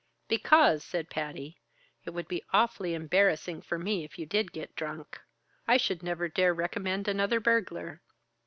"Because," said Patty, "it would be awfully embarrassing for me if you did get drunk. I should never dare recommend another burglar."